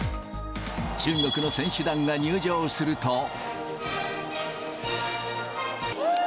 中国の選手団が入場すると。